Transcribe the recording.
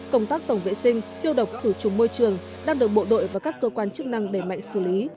công tác tổng vệ sinh tiêu độc thử trùng môi trường đang được bộ đội và các cơ quan chức năng đẩy mạnh xử lý